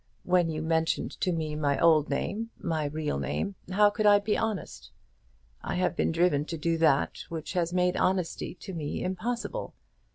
When you mentioned to me my old name, my real name, how could I be honest? I have been driven to do that which has made honesty to me impossible.